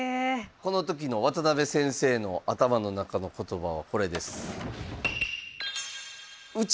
この時の渡辺先生の頭の中の言葉はこれです。